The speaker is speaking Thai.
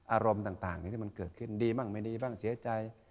อารมณ์ต่างที่มันเกิดขึ้นดีบ้างไม่ดีบ้างเสียใจ